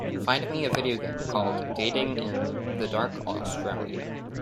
Find me a video game called Dating in the Dark Australia